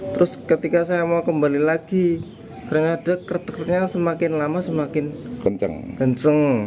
terus ketika saya mau kembali lagi ternyata semakin lama semakin kencang